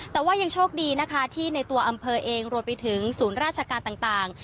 แต่ว่ายังโชคดีนะคะที่ในตัวอำเภอเองรวมไปถึงศูนย์ราชการต่าง